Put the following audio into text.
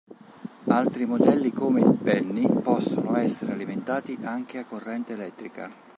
Altri modelli come il "Penny" possono essere alimentati anche a corrente elettrica.